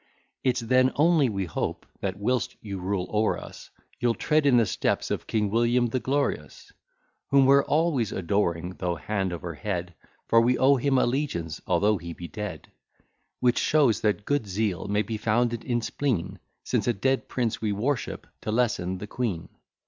It's then only we hope, that whilst you rule o'er us, You'll tread in the steps of King William the glorious, Whom we're always adoring, tho' hand over head, For we owe him allegiance, although he be dead; Which shows that good zeal may be founded in spleen, Since a dead Prince we worship, to lessen the Queen.